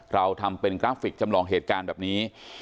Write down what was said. เราทำเป็นกราฟิกจำลองเหตุการณ์แบบนี้